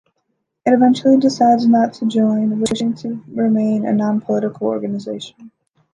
It eventually decides not to join, wishing to remain a non-political organization.